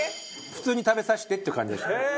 「普通に食べさせて」っていう感じでした。